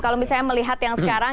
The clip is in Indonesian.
kalau misalnya melihat yang sekarang